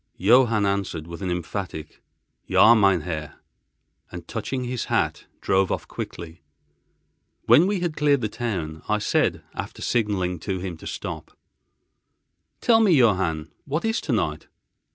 Johann answered with an emphatic, "Ja, mein Herr," and, touching his hat, drove off quickly. When we had cleared the town, I said, after signalling to him to stop: "Tell me, Johann, what is tonight?"